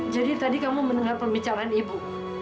jadi tadi kamu mendengar pembicaraan ibu